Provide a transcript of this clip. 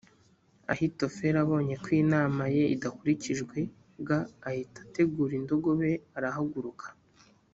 ahitofeli abonye ko inama ye idakurikijwe g ahita ategura indogobe ye arahaguruka